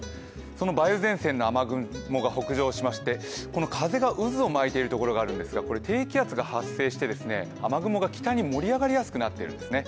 その梅雨前線の雨雲が北上しまして、風が渦を巻いているところがあるんですが、低気圧が発生して、雨雲が北に盛り上がりやすくなってるんですね。